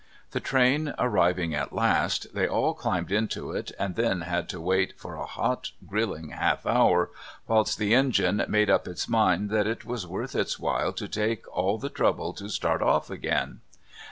The train arriving at last, they all climbed into it, and then had to wait for a hot, grilling half hour whilst the engine made up its mind that it was worth its while to take all the trouble to start off again.